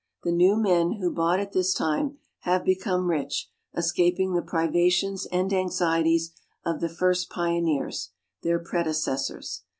The new men who bought at this time have become rich, escaping the privations and anxieties of the first pioneers, their predecessors.